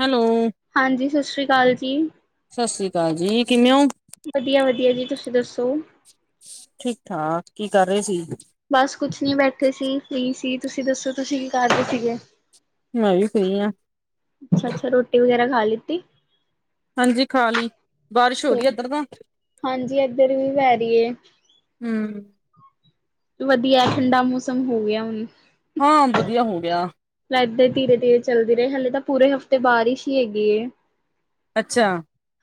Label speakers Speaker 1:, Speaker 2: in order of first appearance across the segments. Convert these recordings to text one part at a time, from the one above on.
Speaker 1: Hello
Speaker 2: ਹਾਂਜੀ ਸਤਿ ਸ੍ਰੀ ਅਕਾਲ ਜੀ
Speaker 1: ਸਤਿ ਸ੍ਰੀ ਅਕਾਲ ਜੀ ਕਿਵੇਂ ਹੋ
Speaker 2: ਵਧੀਆ ਵਧੀਆ ਜੀ ਤੁਸੀਂ ਦੱਸੋ
Speaker 1: ਠੀਕ ਠਾਕ ਕੀ ਕਰ ਰਹੇ ਸੀ
Speaker 2: ਬਸ ਕੁਛ ਨਹੀਂ ਬੈਠੇ ਸੀ ਨਹੀਂ ਸੀ ਤੁਸੀਂ ਦੱਸੋ ਤੁਸੀਂ ਕੀ ਕਰ ਰਹੇ ਸੀਗੇ
Speaker 1: ਮੈਂ ਵੀ ਫਰੀ ਹਾਂ
Speaker 2: ਅੱਛਾ ਅੱਛਾ ਰੋਟੀ ਵਗੈਰਾ ਖਾ ਲਤੀ
Speaker 1: ਹਾਂਜੀ ਖਾਲ ਲਈ ਬਾਰਿਸ਼ ਹੋ
Speaker 2: ਅੱਛਾ
Speaker 1: ਰਹੀ ਹੈ ਇੱਧਰ ਤਾਂ
Speaker 2: ਹਾਂਜੀ ਇੱਧਰ ਵੀ ਵੈ ਰਹੀਏ
Speaker 1: ਹੂੰ
Speaker 2: ਵਧੀਆ ਠੰਡਾ ਮੌਸਮ ਹੋ ਗਿਆ ਹੁਣ
Speaker 1: ਹਾਂ ਵਧੀਆ ਹੋ ਗਿਆ
Speaker 2: ਇੱਧ ਧੀਰੇ ਧੀਰੇ ਚੱਲਦੀ ਰਹੇ ਹਲੇ ਤਾਂ ਪੂਰੇ ਹਫ਼ਤੇ ਬਾਰਿਸ਼ ਹੀ ਹੈਗੀ
Speaker 1: ਅੱਛਾ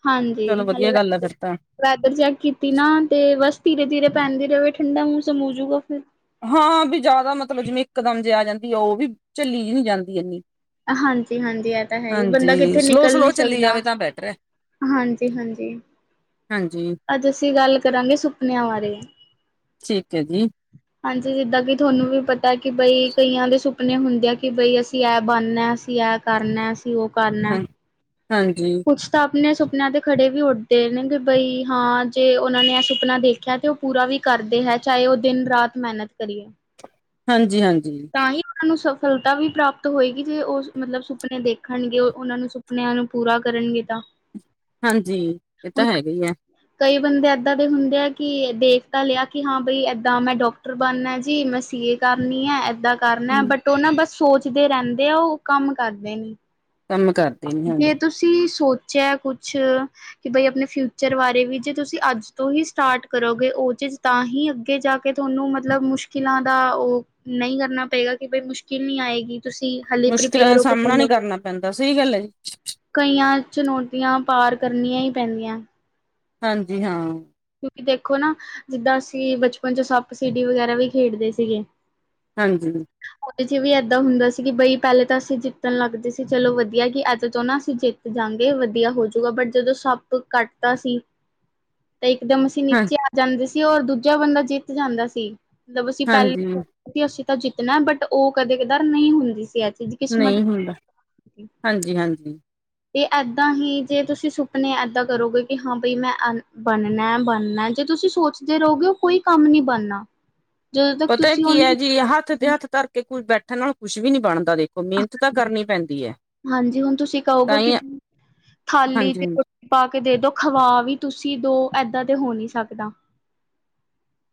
Speaker 2: ਹਾਂਜੀ
Speaker 1: ਚਲੋ
Speaker 2: ਹਲੇ
Speaker 1: ਵਧੀਆ ਗੱਲ ਆ
Speaker 2: ਵੈ
Speaker 1: ਫਿਰ ਤਾਂ
Speaker 2: ਵੈਦਰ ਚੈੱਕ ਕੀਤੀ ਨਾ ਤੇ ਬਸ ਧੀਰੇ ਧੀਰੇ ਪੈਂਨਦੀ ਰਹੇ ਠੰਡਾ ਮੌਸਮ ਹੋਜੂਗਾ ਫਿਰ
Speaker 1: ਹਾਂ ਵੀ ਜ਼ਿਆਦਾ ਮਤਲਬ ਜਿਵੇਂ ਇਕਦਮ ਜੇ ਆ ਜਾਂਦੀ ਆ ਉਹ ਵੀ ਝੱਲੀ ਨਹੀਂ ਜਾਂਦੀ ਇਨੀ
Speaker 2: ਹਾਂਜੀ ਹਾਂਜੀ ਇਹ ਤਾਂ ਹੈ ਹੀ ਬੰਦਾ ਕਿੱਥੇ
Speaker 1: ਸਲੋ
Speaker 2: ਨਿਕਲ
Speaker 1: ਸਲੋ
Speaker 2: ਨੀ
Speaker 1: ਚੱਲੀ
Speaker 2: ਸਕਦਾ
Speaker 1: ਜਾਵੇ ਤਾਂ ਬੈਟਰ ਹੈ
Speaker 2: ਹਾਂਜੀ ਹਾਂਜੀ
Speaker 1: ਹਾਂਜੀ
Speaker 2: ਅੱਜ ਅਸੀਂ ਗੱਲ ਕਰਾਂਗੇ ਸੁਪਨਿਆਂ ਬਾਰੇ
Speaker 1: ਠੀਕ ਹੈ ਜੀ
Speaker 2: ਹਾਂਜੀ ਜਿੱਦਾਂ ਕਿ ਤੁਹਾਨੂੰ ਵੀ ਪਤਾ ਕਿ ਬਈ ਕਈਆਂ ਦੇ ਸੁਪਨੇ ਹੁੰਦੇ ਆ ਕਿ ਬਈ ਅਸੀਂ ਇਹ ਬਣਨਾ ਅਸੀਂ ਇਹ ਕਰਨਾ ਅਸੀਂ ਉਹ ਕਰਨਾ
Speaker 1: ਹਾਂ ਹਾਂਜੀ
Speaker 2: ਕੁੱਛ ਤਾਂ ਆਪਣੇ ਸੁਪਨਿਆ ਤੇ ਖੜੇ ਵੀ ਉੱਠਦੇ ਨੇ ਵੀ ਬਈ ਹਾਂ ਜੇ ਉਹਨਾਂ ਨੇ ਇਹ ਸੁਪਨਾ ਦੇਖਿਆ ਤੇ ਉਹ ਪੂਰਾ ਵੀ ਕਰਦੇ ਹੈ ਚਾਹੇ ਉਹ ਦਿਨ ਰਾਤ ਮਿਹਨਤ ਕਰੀਏ
Speaker 1: ਹਾਂਜੀ ਹਾਂਜੀ
Speaker 2: ਤਾਂ ਹੀ ਉਹਨਾਂ ਨੂੰ ਸਫਲਤਾ ਵੀ ਪ੍ਰਾਪਤ ਹੋਏਗੀ ਜੇ ਉਹ ਮਤਲਬ ਸੁਪਨੇ ਦੇਖਣਗੇ ਉਹਨਾਂ ਨੂੰ ਆਪਣਿਆਂ ਨੂੰ ਪੂਰਾ ਕਰਨਗੇ ਤਾਂ
Speaker 1: ਹਾਂਜੀ ਇਹ ਤਾਂ
Speaker 2: ਹੁਣ
Speaker 1: ਹੈਗੇ ਹੀ ਹੈ
Speaker 2: ਕਈ ਬੰਦੇ ਏਦਾਂ ਦੇ ਹੁੰਦੇ ਆ ਕਿ ਦੇਖ ਤਾਂ ਲਿਆ ਕਿ ਹਾਂ ਬਈ ਇਦਾਂ ਮੈਂ ਡਾਕਟਰ ਬਣਨਾ ਜੀ ਮੈਂ ਸੀਏ ਕਰਨੀ ਹੈ ਏਦਾਂ ਕਰਨਾ ਬਟ ਉਹ ਨਾ ਬੱਸ ਸੋਚਦੇ ਰਹਿੰਦੇ ਆ ਉਹ ਕੰਮ ਕਰਦੇ ਨੀ
Speaker 1: ਕੰਮ ਕਾਰ
Speaker 2: ਜੇ ਤੁਸੀਂ ਸੋਚਿਆ ਕੁਛ ਕਿ ਬਈ ਆਪਣੇ ਫਿਊਚਰ ਬਾਰੇ ਵੀ ਜੇ ਤੁਸੀਂ ਅੱਜ ਤੋਂ ਹੀ ਸਟਾਰਟ ਕਰੋਗੇ ਉਹ ਚੀਜ਼ ਤਾਂ ਹੀ ਅੱਗੇ ਜਾ ਕਿ ਤੁਹਾਨੂੰ ਮਤਲਬ ਮੁਸ਼ਕਿਲਾਂ ਦਾ ਉਹ ਨਹੀਂ ਕਰਨਾ ਪਏਗਾ ਕਿ ਬਈ ਮੁਸ਼ਕਿਲ ਨਹੀਂ ਆਏਗੀ ਤੁਸੀਂ ਹਲੇ
Speaker 1: ਮੁਸ਼ਕਿਲਾਂ ਦਾ
Speaker 2: ਪ੍ਰੀਪੇਅਰ ਹੋ ਕੇ
Speaker 1: ਸਾਹਮਣਾ ਨੀ
Speaker 2: ਚੱਲੋਗੇ।
Speaker 1: ਕਰਨਾ ਪੈਂਦਾ ਸਹੀ ਗੱਲ ਹੈ ਜੀ
Speaker 2: ਕਈਆਂ ਚੁਣੌਤੀਆਂ ਪਾਰ ਕਰਨੀਆਂ ਹੀ ਪੈਂਦੀਆਂ
Speaker 1: ਹਾਂਜੀ ਹਾਂ
Speaker 2: ਤੁਸੀਂ ਦੇਖੋ ਨਾ ਜਿੱਦਾਂ ਅਸੀਂ ਬਚਪਨ ਚ ਸੱਪ ਸੀਡੀ ਵਗੈਰਾ ਵੀ ਖੇਡਦੇ ਸੀਗੇ
Speaker 1: ਹਾਂਜੀ
Speaker 2: ਉਹਦੇ ਵਿੱਚ ਵੀ ਇਦਾ ਹੁੰਦਾ ਸੀ ਕਿ ਬਈ ਪਹਿਲੇ ਤਾਂ ਅਸੀਂ ਜਿੱਤਣ ਲੱਗਦੇ ਸੀ ਚਲੋ ਵਧੀਆ ਕਿ ਅੱਜ ਤੋਂ ਨਾ ਅਸੀਂ ਜਿੱਤ ਜਾਂਗੇ ਵਧੀਆ ਹੋਜੂਗਾ ਬਟ ਜਦੋਂ ਸੱਪ ਕੱਟਦਾ ਸੀ ਤੇ ਇੱਕ ਦਮ ਅਸੀਂ
Speaker 1: ਹਾਂ
Speaker 2: ਨੀਚੇ ਆ ਜਾਂਦੇ ਸੀ ਔਰ ਦੂਜਾ ਬੰਦਾ ਜਿੱਤ ਜਾਂਦਾ ਸੀ ਮੱਤਲਬ ਅਸੀਂ
Speaker 1: ਹਾਂਜੀ,
Speaker 2: ਪਹਿਲੇ ਅਸੀਂ ਤਾਂ ਜਿੱਤਣਾ ਬਟ ਉਹ ਕਦੇ ਕਦਾਰ ਨਹੀਂ ਹੁੰਦੀ ਸੀ ਇਹ ਚੀਜ਼ ਕਿਸਮਤ
Speaker 1: ਨਹੀਂ ਹੁੰਦਾ ਹਾਂਜੀ ਹਾਂਜੀ
Speaker 2: ਤੇ ਇਦਾਂ ਹੀ ਜੇ ਤੁਸੀਂ ਸੁਪਨੇ ਇਦਾਂ ਕਰੋਗੇ ਕਿ ਹਾਂ ਬਾਈ ਮੈਂ ਬਣਨਾ ਬਣਨਾ ਜੇ ਤੁਸੀਂ ਸੋਚਦੇ ਰਹੋਗੇ ਉਹ ਕੋਈ ਕੰਮ ਨੀ ਬਣਨਾ ਜਦੋਂ ਤੱਕ
Speaker 1: ਪਤਾ
Speaker 2: ਤੁਸੀਂ
Speaker 1: ਕੀ ਹੈ
Speaker 2: ਉਹਨੂੰ
Speaker 1: ਜੀ ਹੱਥ ਤੇ ਹੱਥ ਧਰ ਕੇ ਕੁ ਬੈਠਣ ਨਾਲ ਕੁੱਛ ਵੀ ਨੀ ਬਣਦਾ ਦੇਖ
Speaker 2: ਹਾਂਜੀ ਹਾਂਜੀ ਹੁਣ ਤੁਸੀਂ
Speaker 1: ਤਾਂ
Speaker 2: ਕਹੋਗੇ
Speaker 1: ਈ
Speaker 2: ਕਿ ਖਾਲੀ ਤੇ
Speaker 1: ਹਾਂਜੀ-ਹਾਂਜੀ।
Speaker 2: ਪਾ ਕੇ ਦੇ ਦੋ ਖਵਾ ਵੀ ਤੁਸੀਂ ਦੋ ਏਦਾਂ ਤੇ ਹੋ ਨਹੀਂ ਸਕਦਾ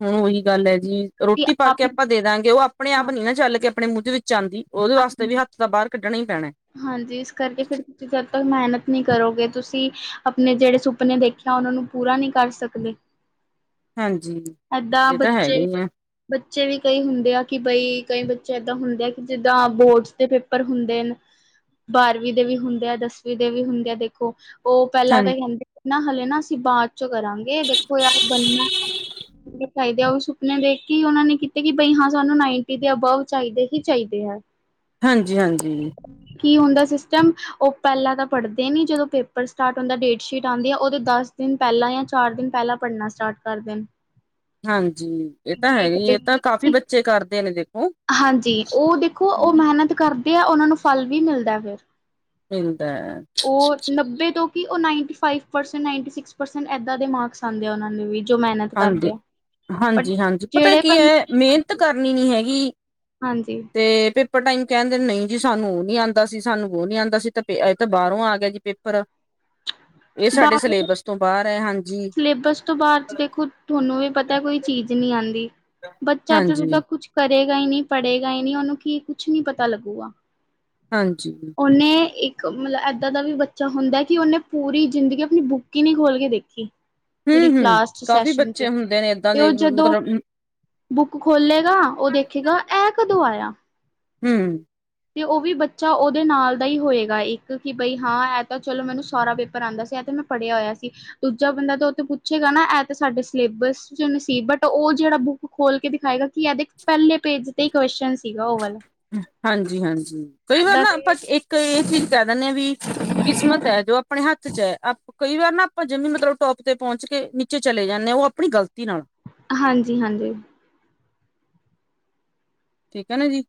Speaker 1: ਹੁਣ ਉਹੀ ਗੱਲ ਹੈ ਜੀ
Speaker 2: ਕਿ
Speaker 1: ਰੋਟੀ ਪਾ
Speaker 2: ਆਪ
Speaker 1: ਕੇ
Speaker 2: ਹੀ
Speaker 1: ਆਪਾਂ ਦੇ ਦਾਂਗੇ ਉਹ ਆਪਣੇ
Speaker 2: ਹਾਂ,
Speaker 1: ਆਪ ਨਹੀਂ ਚੱਲ ਕੇ ਆਪਣੇ ਮੂੰਹ ਦੇ ਵਿੱਚ ਆਉਂਦੀ ਉਹਦੇ ਵਾਸਤੇ ਵੀ
Speaker 2: ਹਾਂਜੀ,
Speaker 1: ਹੱਥ ਤਾਂ ਬਾਹਰ ਕੱਢਣਾ ਹੀ ਪੈਣੇ
Speaker 2: ਹਾਂਜੀ ਇਸ ਕਰਕੇ ਫਿਰ ਤੁਸੀਂ ਜਦ ਤੱਕ ਮਿਹਨਤ ਨਹੀਂ ਕਰੋਗੇ ਤੁਸੀਂ ਆਪਣੇ ਜਿਹੜੇ ਸੁਪਨੇ ਦੇਖੇ ਉਹਨਾਂ ਨੂੰ ਪੂਰਾ ਨਹੀਂ ਕਰ ਸਕਦੇ
Speaker 1: ਹਾਂਜੀ
Speaker 2: ਏਦਾਂ
Speaker 1: ਇਹ ਤਾਂ ਹੈਗਾ
Speaker 2: ਬੱਚੇ
Speaker 1: ਈ ਐ
Speaker 2: ਬੱਚੇ ਵੀ ਕਈ ਹੁੰਦੇ ਆ ਕਿ ਬਈ ਕਈ ਬੱਚੇ ਏਦਾਂ ਹੁੰਦੇ ਆ ਕਿ ਜਿੱਦਾਂ ਬੋਰਡਸ ਦੇ ਪੇਪਰ ਪੇਪਰ ਹੁੰਦੇ ਨੇ ਬਾਰਵੀਂ ਦੇ ਵੀ ਹੁੰਦੇ ਆ ਦਸਵੀਂ ਦੇ ਵੀ ਹੁੰਦੇ ਆ ਦੇਖੋ ਉਹ
Speaker 1: ਹਾਂ
Speaker 2: ਪਹਿਲਾਂ ਤਾਂ ਕਹਿੰਦੇ ਨਾ ਹਲੇ ਨਾ ਅਸੀਂ ਬਾਅਦ ਚੋਂ ਕਰਾਂਗੇ ਦੇਖੋ ਯਾਰ ਬੰਨਾ ਚਾਹੀਦੇ ਉਹ ਸੁਪਨੇ ਦੇਖ ਕੇ ਉਹਨਾਂ ਨੇ ਕੀਤੇ ਕਿ ਬਈ ਹਾਂ ਸਾਨੂੰ ਨਾਈਨਟੀ ਦੇ ਅਬਵ ਚਾਹੀਦੇ ਹੀ ਚਾਹੀਦੇ ਹੈ
Speaker 1: ਹਾਂਜੀ-ਹਾਂਜੀ।
Speaker 2: [unintelligible] ਕੀ ਹੁੰਦਾ ਸਿਸਟਮ ਉਹ ਪਹਿਲਾਂ ਤਾਂ ਪੜ੍ਹਦੇ ਨਹੀਂ ਜਦੋਂ ਪੇਪਰ ਸਟਾਰਟ ਹੁੰਦਾ ਡੇਟਸ਼ੀਟ ਆਉਂਦੀ ਆ ਉਹਦੇ ਦਸ ਦਿਨ ਪਹਿਲਾਂ ਜਾਂ ਚਾਰ ਦਿਨ ਪਹਿਲਾਂ ਪੜ੍ਹਨਾ ਸਟਾੱਰਟ ਕਰਦੇਨ
Speaker 1: ਹਾਂਜੀ ਇਹ ਤਾਂ ਹੈਗੀ ਇਹ ਤਾਂ ਕਾਫ਼ੀ ਬੱਚੇ ਕਰਦੇ ਨੇ ਦੇਖੋ
Speaker 2: ਹਾਂਜੀ ਉਹ ਦੇਖੋ ਉਹ ਮਿਹਨਤ ਕਰਦੇ ਆ ਉਹਨਾਂ ਨੂੰ ਫਲ ਵੀ ਮਿਲਦਾ ਫਿਰ
Speaker 1: ਮਿਲਦਾ ਹੈ।
Speaker 2: ਉਹ ਨੱਬੇ ਤੋਂ ਕਿ ਉਹ ninety five percent ninety six percent ਇਦਾਂ ਦੇ ਮਾਰਕਸ ਆਉਂਦੇ ਆ ਉਹਨਾਂ ਦੇ ਵੀ ਜੋ ਮਿਹਨਤ ਕਰਦੇ
Speaker 1: ਹਾਂਜੀ
Speaker 2: ਆ ਬਟ
Speaker 1: ਹਾਂਜੀ ਹਾਂਜੀ ਪਤਾ
Speaker 2: ਜਿਹੜੇ
Speaker 1: ਕੀ
Speaker 2: ਬੰ
Speaker 1: ਹੈ ਮਿਹਨਤ ਕਰਨੀ ਨੀ ਹੈਗੀ
Speaker 2: ਹਾਂਜੀ
Speaker 1: ਤੇ ਪੇਪਰ ਟਾਈਮ ਕਹਿੰਦੇ ਨਹੀਂ ਜੀ ਸਾਨੂੰ ਉਹ ਨੀ ਆਉਂਦਾ ਸੀ ਸਾਨੂੰ ਉਹ ਨੀ ਆਉਂਦਾ ਸੀ ਤਾਂ ਪੇ ਇਹ ਤਾਂ ਬਾਹਰੋਂ ਆ ਗਿਆ ਜੀ ਪੇਪਰ
Speaker 2: [unintelligible]
Speaker 1: ਇਹ ਸਾਡੇ
Speaker 2: ਬਾਹਰ
Speaker 1: ਸਿਲੇਬਸ ਤੋਂ ਬਾਹਰ ਹੈ, ਹਾਂਜੀ।
Speaker 2: ਸਿਲੇਬਸ ਤੋਂ ਬਾਅਦ ਚ ਦੇਖੋ ਤੁਹਾਨੂੰ ਵੀ ਪਤਾ ਕੋਈ ਚੀਜ਼ ਨੀ ਆਉਂਦੀ, ਬੱਚਾ ਜਦੋਂ
Speaker 1: ਹਾਂਜੀ
Speaker 2: ਤੱਕ ਕੁਛ ਕਰੇਗਾ ਹੀ ਨਹੀਂ, ਪੜ੍ਹੇਗਾ ਹੀ ਨਹੀਂ, ਉਹਨੂੰ ਕੀ ਕੁਛ ਨੀ ਪਤਾ ਲੱਗੁਗਾ।
Speaker 1: ਹਾਂਜੀ
Speaker 2: ਉਹਨੇ, ਇੱਕ ਮਤਲਬ ਏਦਾਂ ਦਾ ਵੀ ਬੱਚਾ ਹੁੰਦਾ ਕਿ ਉਹਨੇ ਪੂਰੀ ਜ਼ਿੰਦਗੀ ਆਪਣੀ ਬੁੱਕ ਹੀ ਨਹੀਂ ਖੋਲ ਕੇ ਦੇਖੀ। ਪੂਰੀ
Speaker 1: ਹਮ ਹਮ
Speaker 2: ਕਲਾਸ ਚ
Speaker 1: ਕਾਫੀ
Speaker 2: ਸੈਸ਼ਨ ਚ,
Speaker 1: ਬੱਚੇ ਹੁੰਦੇ ਨੇ ਏਦਾਂ
Speaker 2: ਤੇ
Speaker 1: ਦੇ
Speaker 2: ਉਹ ਜਦੋਂ
Speaker 1: ਮਤਲਬ
Speaker 2: ਬੁੱਕ ਖੋਲੇਗਾ, ਉਹ ਦੇਖੇਗਾ, ਇਹ ਕਦੋਂ ਆਇਆ?
Speaker 1: ਹੰ
Speaker 2: ਤੇ ਉਹ ਵੀ ਬੱਚਾ ਉਹਦੇ ਨਾਲ ਦਾ ਹੀ ਹੋਏਗਾ ਇੱਕ ਕਿ ਬਈ ਹਾਂ ਇਹ ਤਾਂ ਚਲੋ ਮੈਨੂੰ ਸਾਰਾ ਪੇਪਰ ਆਦਾ ਸੀ, ਇਹ ਤੇ ਮੈਂ ਪੜਿਆ ਹੋਇਆ ਸੀ। ਦੂਜਾ ਬੰਦਾ ਤਾਂ ਉਹ ਤਾਂ ਪੁੱਛੇਗਾ ਨਾ ਇਹ ਤਾਂ ਸਾਡੇ ਸਿਲੇਬਸ ਚ ਨ ਸੀ ਬਟ ਉਹ ਜਿਹੜਾ ਬੁੱਕ ਉਹ ਖੋਲ ਕੇ ਦਿਖਾਏਗਾ ਕਿ ਇਹਦੇ ਪਹਿਲੇ ਪੇਜ ਤੇ ਹੀ ਕੁਸ਼ਚਨ ਸੀਗਾ ਉਹ ਵਾਲਾ
Speaker 1: ਹਾਂਜੀ ਹਾਂਜੀ ਕਈ ਵਾਰ
Speaker 2: ਏਦਾਂ
Speaker 1: ਨਾ
Speaker 2: ਦੇ
Speaker 1: ਆਪਾਂ ਇੱਕ ਕ ਇਹ ਚੀਜ਼ ਕਹਿ ਦਿੰਦੇ ਆ ਵੀ, ਕਿਸਮਤ ਹੈ ਜੋ ਆਪਣੇ ਹੱਥ ਚ ਹੈ ਅੱਪ ਕਈ ਵਾਰ ਨਾ ਆਪਾਂ ਜਿਵੇ ਮਤਲਬ ਟੋਪ ਤੇ ਪਹੁੰਚ ਕੇ ਨੀਚੇ ਚਲੇ ਜਾਂਦੇ ਹਾਂ ਉਹ ਆਪਣੀ ਗ਼ਲਤੀ ਨਾਲ।
Speaker 2: ਹਾਂਜੀ ਹਾਂਜੀ
Speaker 1: ਠੀਕ ਹੈ ਨਾ ਜੀ,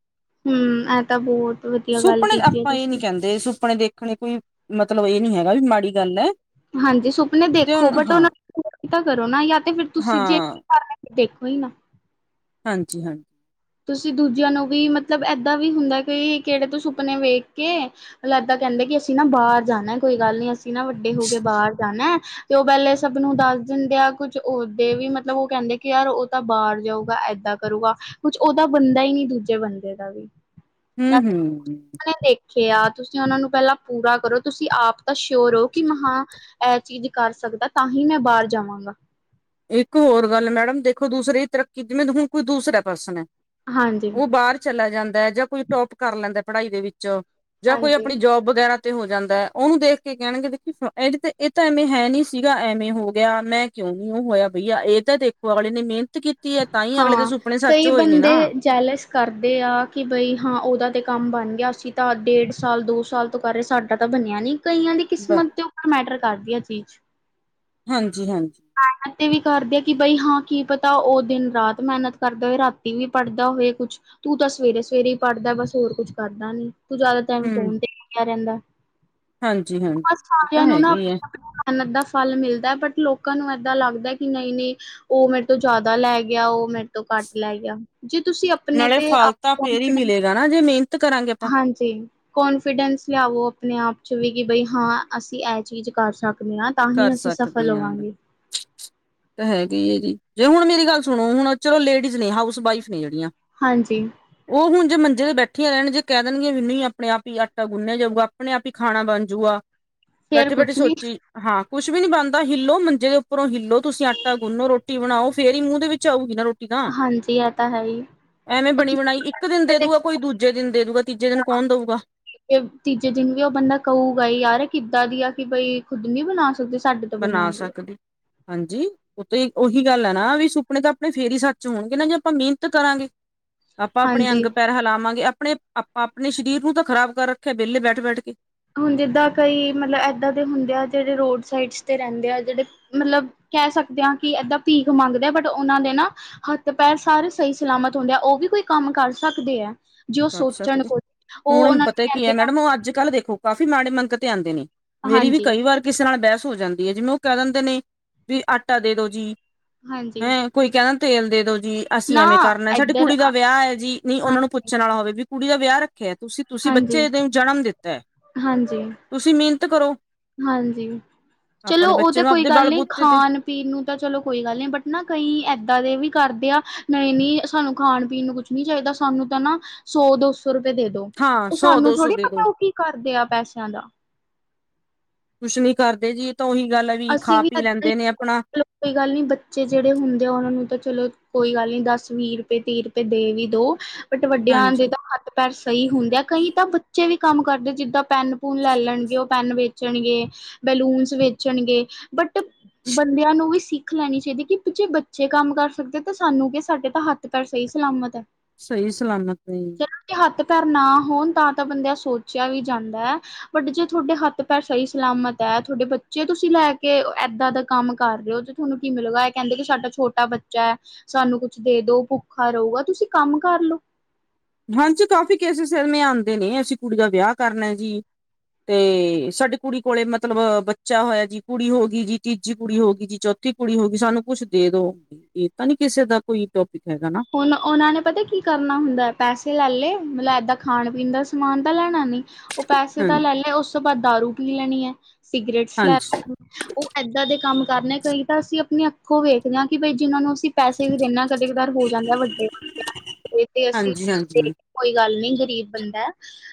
Speaker 2: ਹਮ ਇਹ ਤਾਂ ਬਹੁਤ ਵਧੀਆ ਗੱਲ
Speaker 1: ਸੁਪਨੇ।
Speaker 2: ਕੀਤੀ ਹੈ
Speaker 1: ਆਪਾਂ ਇਹ ਨੀ
Speaker 2: ਤੁਸੀਂ
Speaker 1: ਕਹਿੰਦੇ ਸੁਪਨੇ ਦੇ ਦੇਖਣੇ ਕੋਈ ਮਤਲਬ ਇਹ ਨੀ ਹੈਗਾ ਵੀ ਮਾੜੀ ਗੱਲ ਐ।
Speaker 2: ਹਾਂਜੀ, ਸੁਪਨੇ ਦੇਖੋ ਬਟ ਉਹਨਾਂ ਨੂੰ ਪੂਰੇ ਤਾਂ ਕਰੋ ਨਾ। ਯਾਂ ਤੇ ਫਿਰ ਤੁਸੀਂ ਜੇ [unintelligible]
Speaker 1: ਹਾਂ
Speaker 2: ਕਰਨੇ ਦੇਖੋ ਈ ਨਾ।
Speaker 1: ਹਾਂਜੀ-ਹਾਂਜੀ।
Speaker 2: ਤੁਸੀਂ ਦੂਜਿਆਂ ਨੂੰ ਵੀ, ਮਤਲਬ ਏਦਾਂ ਵੀ ਹੁੰਦਾ ਕਿ ਕਿਹੜੇ ਤੋਂ ਸੁਪਨੇ ਵੇਖ ਕੇ ਲੱਦਾ ਕਹਿੰਦੇ ਕਿ ਅਸੀਂ ਨਾ ਬਾਹਰ ਜਾਣਾ, ਕੋਈ ਗੱਲ ਨੀ ਅਸੀਂ ਨਾ ਵੱਡੇ ਹੋ ਕੇ ਬਾਹਰ ਜਾਣਾ। ਤੇ ਉਹ ਪਹਿਲੇ ਸਭ ਨੂੰ ਦੱਸ ਦਿੰਦੇ ਆ, ਕੁਝ ਓਦੇ ਵੀ ਮਤਲਬ, ਉਹ ਕਹਿੰਦੇ ਕਿ ਯਾਰ ਉਹ ਤਾਂ ਬਾਹਰ ਜਾਊਗਾ ਏਦਾਂ ਕਰੂਗਾ, ਕੁਛ ਉਹਦਾ ਬੰਦਾ ਹੀ ਨੀ ਦੂਜੇ ਬੰਦੇ ਦਾ ਵੀ।
Speaker 1: ਹੂੰ ਹੂੰ
Speaker 2: [unintelligible] ਖੇਆ, ਤੁਸੀਂ ਉਹਨਾਂ ਨੂੰ ਪਹਿਲਾਂ ਪੂਰਾ ਕਰੋ। ਤੁਸੀਂ ਆਪ ਤਾਂ ਸ਼ੋਰ ਹੋ ਕਿ ਮ ਹਾਂ ਇਹ ਚੀਜ਼ ਕਰ ਸਕਦਾ, ਤਾਂ ਹੀ ਮੈਂ ਬਾਹਰ ਜਾਵਾਂਗਾ।
Speaker 1: ਇੱਕ ਹੋਰ ਗੱਲ ਮੈਡਮ, ਦੇਖੋ ਦੂਸਰੇ ਤਰੱਕੀ। ਜਿਵੇਂ ਹੁਣ ਕੋਈ ਦੂਸਰਾ ਪਰਸਨ ਹੈ
Speaker 2: ਹਾਂਜੀ
Speaker 1: ਉਹ ਬਾਹਰ ਚਲਾ ਜਾਂਦਾ ਜਾਂ ਕੋਈ ਟੋਪ ਕਰ ਲੈਂਦਾ ਪੜ੍ਹਾਈ ਦੇ ਵਿੱਚ, ਜਾਂ ਕੋਈ
Speaker 2: ਹਾਂਜੀ
Speaker 1: ਆਪਣੀ ਜੋਬ ਵਗੈਰਾ ਤੇ ਹੋ ਜਾਂਦਾ, ਉਹਨੂੰ ਦੇਖ ਕੇ ਕਹਿਣਗੇ, ਦੇਖੀ ਇਹ ਤੇ ਇਹ ਤਾਂ ਐਵੇਂ ਹੈ ਨੀ ਸੀਗਾ ਐਵੇਂ ਹੋ ਗਿਆ। ਮੈਂ ਕਿਉਂ? ਕਿਉ ਹੋਇਆ ਬਈਆ, ਇਹ ਤਾਂ ਦੇਖੋ ਅਗਲੇ ਨੇ ਮਿਹਨਤ ਕੀਤੀ ਹੈ ਤਾਂ ਹੀ ਅਗਲੇ ਦੇ ਸੁਪਨੇ ਸੱਚ ਹੋਏ ਨੇ ਨਾ।
Speaker 2: ਜੈਲੇਜ ਕਰਦੇ ਆ ਕਿ ਬਈ ਹਾਂ ਉਹਦਾ ਤੇ ਕੰਮ ਬਣ ਗਿਆ ਸੀ, ਤਾਂ ਡੇਢ ਸਾਲ ਦੋ ਸਾਲ ਤੋ ਕਰ ਰਹੇ, ਸਾਡਾ ਤਾਂ ਬਣਿਆ ਨੀ। ਕਈਆਂ ਦੀ
Speaker 1: ਬ
Speaker 2: ਕਿਸਮਤ ਦੇ ਉਪਰ ਮੈਟਰ ਕਰਦੀ ਆ ਚੀਜ਼।
Speaker 1: ਹਾਂਜੀ-ਹਾਂਜੀ।
Speaker 2: ਮਹਿਨਤ ਵੀ ਕਰਦੇ ਆ ਕਿ ਬਈ ਹਾਂ ਕੀ ਪਤਾ ਉਹ ਦਿਨ ਰਾਤ ਮਹਿਨਤ ਕਰਦਾ ਹੋਏ, ਰਾਤੀ ਵੀ ਪੜ੍ਹਦਾ ਹੋਏ ਕੁਛ ਤੂੰ ਤਾਂ ਸਵੇਰੇ-ਸਵੇਰੇ ਹੀ ਪੜਦਾ, ਬਸ ਹੋਰ ਕੁਝ ਕਰਦਾ ਨੀ। ਤੂੰ ਜ਼ਿਆਦਾ ਟਾਈਮ
Speaker 1: ਹੂੰ
Speaker 2: ਫੋਨ ਤੇ ਹੀ ਲਗਿਆ ਰਹਿੰਦਾ।
Speaker 1: ਹਾਂਜੀ
Speaker 2: ਬਸ
Speaker 1: ਹਾਂਜੀ ਇਹ ਤਾਂ
Speaker 2: ਸੱਸਾਰਿਆਂ ਨੂੰ ਨਾ
Speaker 1: ਹੈਗੀ ਹੈ
Speaker 2: ਆਪ [unintelligible] ਮਹਿਨਤ ਦਾ ਫਲ ਮਿਲਦਾ ਬਟ ਲੋਕਾਂ ਨੂੰ ਏਦਾਂ ਲੱਗਦੈ ਕਿ ਨਹੀਂ- ਨਹੀਂ ਉਹ ਮੇਰੇ ਤੋਂ ਜਾਦਾ ਜਾਦਾ ਲੈ ਗਿਆ ਉਹ ਮੇਰੇ ਤੋਂ ਘੱਟ ਲੈ ਗਿਆ। ਜੇ ਤੁਸੀਂ ਅਪਣੇ
Speaker 1: ਨਾਲੇ
Speaker 2: ਤੇ
Speaker 1: ਫਲ
Speaker 2: ਆਪ
Speaker 1: ਤਾਂ ਫੇਰ ਹੀ
Speaker 2: ਕੰਫਿਦੇਂਸ,
Speaker 1: ਮਿਲੇਗਾ ਨਾ ਜੇ ਮਿਹਨਤ ਕਰਾਂਗੇ ਆਪਾਂ
Speaker 2: ਹਾਂਜੀ। ਤੇ ਕੋਨਫੀਡੈਂਸ ਲਿਆਵੋ ਆਪਣੇ ਆਪ ਚ ਵੀ ਕਿ ਬਈ ਹਾਂ ਅਸੀਂ ਇਹ ਚੀਜ਼ ਕਰ ਸਕਦੇ ਹਾਂ ਤਾਂ
Speaker 1: ਕਰ
Speaker 2: ਹੀ ਅਸੀਂ ਸਫਲ ਹੋਵਾਂਗੇ।
Speaker 1: ਹੈਗੀ ਹੈ ਜੀ, ਜੇ ਹੁਣ ਮੇਰੀ ਗੱਲ ਸੁਣੋ, ਹੁਣ ਚਲੋ ਲੇਡੀਜ਼ ਨੇ, ਹਾਊਸ ਵਾਈਫ ਨੇ ਜਿਹੜੀਆਂ
Speaker 2: ਹਾਂਜੀ।
Speaker 1: ਉਹ ਹੁਣ ਜੇ ਮੰਜੇ ਤੇ ਬੈਠੀਆਂ ਰਹਿਣ, ਜੇ ਕਹਿ ਦੇਣਗੀਆਂ ਵੀ ਨਹੀਂ ਆਪਣੇ ਆਪ ਹੀ ਆਟਾ ਗੁੰਨਿਆ ਜਾਊਗਾ ਆਪਣੇ ਆਪ ਹੀ ਖਾਣਾ ਬਣ ਜੂਗਾ,
Speaker 2: ਫੇਰ
Speaker 1: ਬੈਠੀ ਬੈਠੀ
Speaker 2: ਕੁਛ ਨੀ
Speaker 1: ਸੋਚੀ ਹਾਂ, ਕੁਛ ਵੀ ਨੀ ਬਣਦਾ, ਹਿੱਲੋ, ਮੰਜੇ ਦੇ ਉੱਪਰੋਂ ਹਿੱਲੋ, ਤੁਸੀਂ ਆਟਾ ਗੁੰਨੋ, ਰੋਟੀ ਬਣਾਓ। ਫਿਰ ਹੀ ਮੂੰਹ ਦੇ ਵਿੱਚ ਆਉਗੀ ਨਾ ਰੋਟੀ। ਤਾਂ
Speaker 2: ਹਾਂਜੀ, ਇਹ ਤਾਂ ਹੈ। ਹੀ
Speaker 1: ਐਵੇਂ ਬਣੀ ਬਣਾਈ ਇੱਕ ਦਿਨ ਦੇ ਦੂਗਾ ਕੋਈ, ਦੂਜੇ ਦਿਨ ਦੇ ਦੂਗਾ, ਤੀਜੇ ਦਿਨ ਕੌਣ ਦਊਗਾ?
Speaker 2: ਤੀਜੇ ਦਿਨ ਵੀ ਉਹ ਬੰਦਾ ਕਹਊਗਾ ਹੀ, ਯਾਰ ਕਿੱਦਾਂ ਦੀ ਆ ਕਿ ਬਈ ਖੁੱਦ ਨੀ ਬਣਾ ਸਕਦੇ! ਸਾਡੇ ਤੋਂ
Speaker 1: ਬਣਾ
Speaker 2: ਬਣਵਾਉਂਦੀ ਹੈ
Speaker 1: ਸਕਦੀ। ਹਾਂਜੀ, ਉਹ ਤਾਂ ਉਹੀ ਗੱਲ ਹੈ ਨਾ ਵੀ ਸੁਪਨੇ ਤਾਂ ਆਪਣੇ ਫਿਰ ਹੀ ਸੱਚ ਹੋਣਗੇ ਨਾ ਜੇ ਆਪਾਂ ਮਿਹਨਤ ਕਰਾਂਗੇ। ਆਪਾਂ ਆਪਣੇ
Speaker 2: ਹਾਂਜੀ
Speaker 1: ਅੰਗ ਪੈਰ ਹਿਲਾਵਾਂਗੇ ਆਪਣੇ ਆਪਾਂ ਆਪਣੇ ਸਰੀਰ ਨੂੰ ਤਾਂ ਖ਼ਰਾਬ ਕਰ ਰੱਖਿਆ ਵਿਹਲੇ ਬੈਠ ਬੈਠ ਕੇ
Speaker 2: ਹੁਣ ਜਿੱਦਾਂ ਕਈ ਮਤਲਬ ੱਦਾਂ ਦੇ ਹੁੰਦੇ ਆ ਜਿਹੜੇ ਰੋਡ ਸਾਈਡਸ ਤੇ ਰਹਿੰਦੇ ਆ ਜਿਹੜੇ ਮਤਲਬ ਕਹਿ ਸਕਦੇ ਹਾਂ ਕਿ ਏਦਾਂ ਭੀਖ ਮੰਗਦੇ ਆ ਬਟ ਉਹਨਾਂ ਨੇ ਨਾ ਹੱਥ ਪੈਰ ਸਾਰੇ ਸਹੀ ਸਲਾਮਤ ਹੁੰਦੇ ਆ ਉਹ ਵੀ ਕੋਈ ਕੰਮ ਕਰ ਸਕਦੇ ਹੈ ਜੇ ਉਹ
Speaker 1: ਕਰ
Speaker 2: ਸੋਚਣ
Speaker 1: ਸਕਦੇ
Speaker 2: ਕੁਝ ਉਹ
Speaker 1: ਹੁਣ
Speaker 2: ਉਹਨਾਂ ਨੂੰ
Speaker 1: ਪਤਾ ਕੀ
Speaker 2: ਕਹਿੰਦੇ
Speaker 1: ਹੈ
Speaker 2: ਆ
Speaker 1: ਮੈਡਮ ਉਹ ਅੱਜ ਕੱਲ ਦੇਖੋ ਕਾਫ਼ੀ ਮਾੜੇ ਮੰਗ ਤੇ ਆਉਂਦੇ ਨੇ ਮੇਰੀ ਵੀ
Speaker 2: ਹਾਂਜੀ
Speaker 1: ਕਈ ਵਾਰ ਕਿਸੇ ਨਾਲ ਬਹਿਸ ਹੋ ਜਾਂਦੀ ਹੈ ਜਿਵੇਂ ਉਹ ਕਹਿ ਦਿੰਦੇ ਨੇ ਵੀ ਆਟਾ ਦੇ ਦੋ ਜੀ
Speaker 2: ਹਾਂਜੀ
Speaker 1: ਹੈਂ ਕੋਈ ਕਹਿੰਦਾ ਤੇਲ ਦੇ ਦੋ ਜੀ ਅਸੀਂ
Speaker 2: ਨਾ
Speaker 1: ਐਵੇਂ ਕਰਨਾ ਸਾਡੇ
Speaker 2: ਇੱਧਰ
Speaker 1: ਕੁੜੀ ਦਾ ਵਿਆਹ ਹੈ ਜੀ ਨਹੀਂ ਉਹਨਾਂ ਨੂੰ ਪੁ
Speaker 2: ਹਾਂਜੀ
Speaker 1: ਪੁੱਛਣ ਵਾਲਾ ਹੋਵੇ ਕੁੜੀ ਦਾ ਵਿਆਹ ਰੱਖਿਆ ਤੁਸੀਂ ਤੁਸੀਂ
Speaker 2: ਹਾਂਜੀ
Speaker 1: ਬੱਚੇ ਦਿਨ ਚੜਨ ਦਿੱਤਾ ਹੈ
Speaker 2: ਹਾਂਜੀ
Speaker 1: ਤੁਸੀਂ ਮਿਹਨਤ ਕਰੋ
Speaker 2: ਹਾਂਜੀ ਚਲੋ
Speaker 1: ਆਪਣੇ
Speaker 2: ਉਹ
Speaker 1: ਬੱਚੇ
Speaker 2: ਤਾਂ
Speaker 1: ਨੂੰ
Speaker 2: ਕੋਈ
Speaker 1: ਆਪਦੇ
Speaker 2: ਗੱਲ
Speaker 1: ਬਲ
Speaker 2: ਨਹੀਂ
Speaker 1: ਬੂਤੇ ਤੇ
Speaker 2: ਖਾਣ ਪੀਣ ਨੂੰ ਤਾਂ ਚਲੋ ਕੋਈ ਗੱਲ ਨੀ ਬਟ ਨਾ ਕਈ ਏਦਾਂ ਦੇ ਵੀ ਕਰਦੇ ਆ ਨਵੇਂ ਨੀ ਸਾਨੂੰ ਖਾਣ ਪੀਣ ਨੂੰ ਕੁਛ ਨਹੀਂ ਚਾਹੀਦਾ ਸਾਨੂੰ ਤਾਂ ਨਾ ਸੌ ਦੋਸ ਸੋ ਰੁਪਏ ਦੇ ਦੋ
Speaker 1: ਹਾਂ
Speaker 2: ਉਹ
Speaker 1: ਸੌ
Speaker 2: ਸਾਨੂੰ
Speaker 1: ਦੋ ਸੌ
Speaker 2: ਥੋੜੀ
Speaker 1: ਦੇ ਦੋ
Speaker 2: ਪਤਾ ਉਹ ਕੀ ਕਰਦੇ ਆ ਪੈਸਿਆਂ ਦਾ
Speaker 1: ਕੁਛ ਨੀ ਕਰਦੇ ਜੀ ਇਹ ਤਾਂ ਉਹੀ ਗੱਲ ਹੈ
Speaker 2: ਅਸੀ
Speaker 1: ਖਾ
Speaker 2: ਵੀ
Speaker 1: ਪੀ
Speaker 2: ਅ
Speaker 1: ਲੈਂਦੇ ਨੇ ਆਪਣਾ
Speaker 2: ਕੋਈ ਗੱਲ ਨਹੀਂੀ ਬੱਚੇ ਜਿਹੜੇ ਹੁੰਦੇ ਆ ਉਹਨਾਂ ਨੂੰ ਤਾਂ ਚਲੋ ਕੋਈ ਗੱਲ ਨਹੀਂ ਦਸ ਵੀਹ ਰੁਪਏ ਤੀਹ ਰੁਪਏ ਦੇ ਵੀ ਦੋ ਬਟ ਵੱਡਿਆਂ ਆ ਦੇ
Speaker 1: ਹਾਂਜੀ,
Speaker 2: ਤਾਂ ਹ ਪੈਰ ਸਹੀ ਹੁੰਦੇ ਆ ਕਈ ਤਾਂ ਬੱਚੇ ਵੀ ਕੰਮ ਕਰਦੇ ਜਿੱਦਾਂ ਪੈੱਨ ਪੂਨ ਲੈ ਲੈਣਗੇ ਉਹ ਪੈੱਨ ਵੇਚਣਗੇ ਬੈਲੂਨਸ ਵੇਚਣਗੇ ਬਟ ਬੰਦਿਆਂ ਨੂੰ ਵੀ ਸਿੱਖ ਲੈਣੀ ਚਾਹੀਦੀ ਹੈ ਕਿ ਜੇ ਬੱਚੇ ਕੰਮ ਕਰ ਸਕਦੇ ਤਾਂ ਸਾਨੂੰ ਕਿ ਸਾਡੇ ਤਾਂ ਹੱਥ ਤੇ ਪਰ ਸਹੀ ਸਲਾਮਤ ਹੈ
Speaker 1: ਸਹੀ ਸਲਾਮਤ ਹੈ
Speaker 2: ਜਦੋਂ ਹੱਥ ਪੈਰ ਨਾ ਹੋਣ ਤਾਂ ਤਾਂ ਬੰਦਿਆਂ ਸੋਚਿਆ ਵੀ ਜਾਂਦਾ ਹੈ ਬਟ ਜੇ ਤੁਹਾਡੇ ਹੱਥ ਪੈਰ ਸਹੀ ਸਲਾਮਤ ਹੈ ਤੁਹਾਡੇ ਬ ਜੇ ਤੁਸੀਂ ਲੈ ਕੇ ਇਏਦਾਂ ਦਾ ਕੰਮ ਕਰ ਰਹੇ ਹੋ ਤੇ ਤੁਹਾਨੂੰ ਕੀ ਮਿਲੇਗਾ ਇਹ ਕਹਿੰਦੇ ਕਿ ਸਾਡਾ ਛੋਟਾ ਬੱਚਾ ਹੈ ਸਾਨੂੰ ਕੁਛ ਦੇ ਦੋ ਭੁੱਖਾ ਰਹੇਗਾ ਤੁਸੀਂ ਕੰਮ ਕਰਲੋ
Speaker 1: ਹਾਂਜੀ ਕਾਫੀ ਕੇਸਿਸ ਸਿਲਮੇ ਆਉਂਦੇ ਨੇ ਅਸੀਂ ਕੁੜੀ ਦਾ ਵਿਆਹ ਕਰਨਾ ਜੀ ਤੇ ਸਾਡੇ ਕੁੜੀ ਕੋਲੇ ਮਤਲਬ ਬੱਚਾ ਹੋਇਆ ਜੀ ਕੁੜੀ ਹੋ ਗਈ ਜੀ ਤੀਜੀ ਕੁੜੀ ਹੋ ਗਈ ਜੀ ਚੌਥੀ ਠੀ ਕੁੜੀ ਹੋਗੀ ਸਾਨੂੰ ਕੁੱ ਦੇ ਦੋ ਇਹ ਤਾਂ ਨੀ ਕਿਸੇ ਦਾ ਕੋਈ ਟੋਪਿਕ ਹੈਗਾ ਨਾ
Speaker 2: ਉਹ ਉਹਨਾਂ ਨੇ ਪਤਾ ਕੀ ਕਰਨਾ ਹੁੰਦਾ ਪੈਸੇ ਲੈ ਲਏ ਮਤਲਬ ਏਦਾਂ ਖਾਣ ਪੀਣ ਦਾ ਸਮਾਨ ਤਾਂ ਲੈਣਾ ਨੀ ਉਹ ਪੈਸੇ
Speaker 1: ਹਾਂ,
Speaker 2: ਤਾਂ ਲੈ ਲੈ ਉਸ ਤੋਂ ਬਾਅਦ ਦਾਰੂ ਪੀ ਲੈਣੀ ਹੈ ਸਿਗਰੇਟਸ ਲੈ
Speaker 1: ਹਾਂਜੀ,
Speaker 2: ਲੈਣੇ ਉਹ ਇਏਦਾਂ ਦੇ ਕੰਮ ਕਰਨੇ ਕਈ ਤਾਂ ਅਸੀਂ ਆਪਣੀ ਅੱਖੋਂ ਵੇਖਦੇ ਹਾਂ ਕਿ ਬਈ ਜਿਹਨਾਂ ਨੂੰ ਅਸੀ ਪੈਸੇ ਇਨਾ ਕਦੇ ਕਧਾਰ ਹੋ ਜਾਂਦੇ ਵੱਡੇ ਤੇ ਅਸੀਂ
Speaker 1: ਹਾਂਜੀ,
Speaker 2: ਦੇ
Speaker 1: ਹਾਂਜੀ।
Speaker 2: ਕੋਈ ਗੱਲ ਨੀ ਗ਼ਰੀਬ ਬੰਦਾ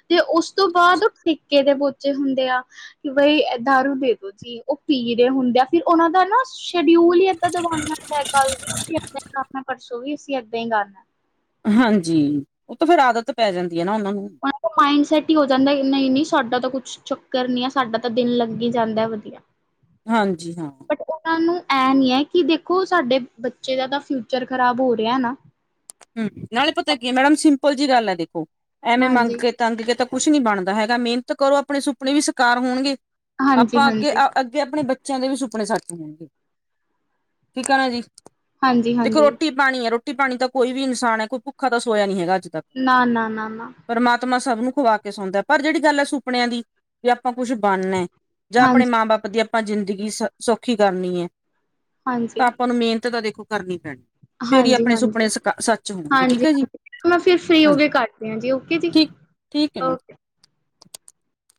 Speaker 2: ਤੇ ਉਸ ਤੋਂ ਬਾਅਦ ਉਹ ਠੇਕੇ ਦੇ ਬੋਚੇ ਹੁੰਦੇ ਆ ਕਿ ਬਈ ਦਾਰੂ ਦੇ ਦੋ ਜੀ ਉਹ ਪੀ ਰਹੇ ਹੁੰਦੇ ਆ ਫਿਰ ਉਹਨਾਂ ਦਾ ਨਾ ਸ਼ਡਿਊਲ ਹੀ ਏਦਾਂ ਦਾ ਗਨਾ ਹੁੰਦਾ ਕੱਲ ਵੀ ਅਸੀਂ ਏਦਾਂ ਹੀ ਕਰਨਾ ਪਰਸੋਂ ਵੀ ਅਸੀਂ ਏਦਾਂ ਹੀ ਕਰਨਾ
Speaker 1: ਹਾਂਜੀ ਉਹ ਤਾਂ ਫੇਿਰ ਆਦਤ ਪੈ ਜਾਂਦੀ ਹੈ ਨਾ ਉਹਨਾਂ ਨੂੰ
Speaker 2: ਮਤਲ ਮਾਇੰਡ ਸੈਟ ਹੀ ਹੋ ਜਾਂਦਾ ਨਹੀਂ ਨਹੀਂ ਸਾਡਾ ਤਾਂ ਕੁਛ ਚੱਕਰ ਨੀ ਆ ਸਾਡਾ ਤਾਂ ਦਿਨ ਲੱਗ ਹੀ ਜਾਂਦਾ ਵਧੀਆ
Speaker 1: ਹਾਂਜੀ ਹਾਂ
Speaker 2: ਬਟ ਉਹਨਾਂ ਨੂੰ ਇਹ ਨੀ ਹੈ ਕਿ ਦੇਖੋ ਸਾਡੇ ਬੱਚੇ ਦਾ ਤਾਂ ਫਿਊਚਰ ਖ਼ਰਾਬ ਹੋ ਰਿਹਾ ਨਾ
Speaker 1: ਹਮ ਨਾਲੇ ਪਤਾ ਕੀ ਮੈਡਮ ਸਿੰਪਲ ਜਿਹੀ ਗੱਲ ਹੈ ਦੇਖੋ ਐਵੇਂ ਮੰਗ
Speaker 2: ਹਾਂਜੀ
Speaker 1: ਤੰਗ ਕੇ ਤਾਂ ਕੁਛ ਨੀ ਬਣਦਾ ਹੈਗਾ ਮਿਹਨਤ ਕਰੋ ਆਪਣੇ ਸੁਪਨੇ ਵੀ ਸ਼ਿਕਾਰ ਹੋਣਗੇ
Speaker 2: ਹਾਂਜੀ
Speaker 1: ਆਪਾਂ ਅੱਗੇ
Speaker 2: ਹਾਂਜੀ
Speaker 1: ਅ ਤੇ ਆਪਣੇ ਬੱਚਿਆਂ ਦੇ ਵੀ ਸੁਪਨੇ ਸਾੱਚ ਹੋਣਗੇ ਠੀਕ ਹੈ ਨਾ ਜੀ
Speaker 2: ਹਾਂਜੀ
Speaker 1: ਦੇਖੋ
Speaker 2: ਹਾਂਜੀ
Speaker 1: ਰੋਟੀ ਪਾਣੀ ਹੈ ਰੋਟੀ ਪਾਣੀ ਤਾਂ ਕੋਈ ਵੀ ਇਨਸਾਨ ਹੈ ਕੋਈ ਭੁੱਖਾ ਤਾਂ ਸੋਇਆ ਨਹੀਂ ਹੈਗਾ ਅੱਜ ਤੱਕ
Speaker 2: ਨਾ ਨਾ ਨਾ ਨਾ
Speaker 1: ਪਰਮਾਤਮਾ ਸਭ ਨੂੰ ਖਵਾ ਕੇ ਸੌਂਦਾ ਪਰ ਜਿਹੜੀ ਗੱਲ ਹੈ ਸੁਪਨਿਆਂ ਦੀ ਵੀ ਆਪਾਂ ਕੁੱਛ ਬਣਨਾ ਜਾਂ ਆਪਣੇ
Speaker 2: ਹਾਂਜੀ
Speaker 1: ਮਾਂ ਬਾਪ ਦੀ ਆਪਾਂ ਜ਼ਿੰਦਗੀ ਸ ਸੌਖੀ ਕਰਨੀ ਹੈ
Speaker 2: ਹਾਂਜੀ
Speaker 1: ਤਾਂ ਆਪਾਂ ਨੂੰ ਮਿਹਨਤ ਤਾਂ ਦੇਖੋ ਕਰਨੀ ਪੈਣੀ ਫੇਰ ਹੀ
Speaker 2: ਹਾਂਜੀ
Speaker 1: ਆਪਣੇ
Speaker 2: ਹਾਂਜੀ
Speaker 1: ਸੁਪਨੇ ਸੱਚ ਹੋਣਗੇ ਠੀਕ
Speaker 2: ਹਾਂਜੀ
Speaker 1: ਹੈ ਜੀ
Speaker 2: ਹਾਂਜੀ ਮੈਂ ਫਿਰ ਫ੍ਰੀ ਹੋ
Speaker 1: ਹਾਂਜੀ
Speaker 2: ਕੇ ਕਰਦੀ ਹਾਂ ਜੀ ਓਕੇ ਜੀ
Speaker 1: ਠੀਕ ਠੀਕ ਹੈ ਮੈਮ
Speaker 2: ਓਕੇ